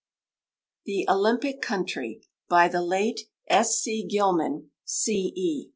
THE OLYMPIC COUNTRY By the late S. C. Gilman, C. E.